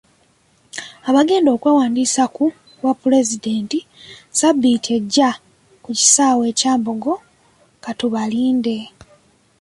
Abagenda okwewandiisa ku bwapulezidenti Ssabbiiti ejja ku kisaawe e Kyambogo katubalinde.